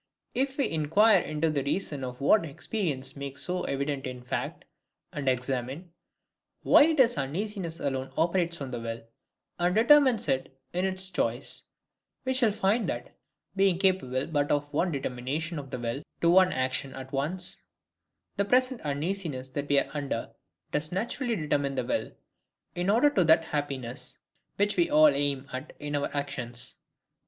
If we inquire into the reason of what experience makes so evident in fact, and examine, why it is uneasiness alone operates on the will, and determines it in its choice, we shall find that, we being capable but of one determination of the will to one action at once, the present uneasiness that we are under does NATURALLY determine the will, in order to that happiness which we all aim at in all our actions.